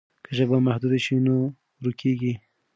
که ژبه محدوده شي نو ورکېږي.